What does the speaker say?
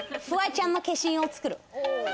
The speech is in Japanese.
フワちゃんの化身をつくる。